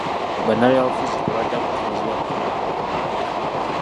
Bannabyabufuzi tebajja kukkirizibwa kukuba nkungaana.